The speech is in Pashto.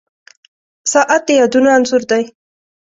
• ساعت د یادونو انځور دی.